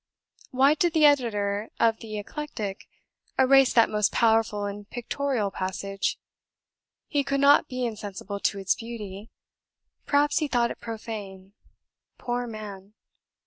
"Why did the editor of the 'Eclectic' erase that most powerful and pictorial passage? He could not be insensible to its beauty; perhaps he thought it profane. Poor man!